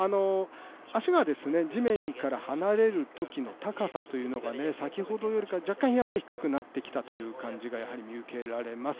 足が地面から離れるときの高さというのが、先ほどよりかは若干低くなってきたという感じが見受けられます。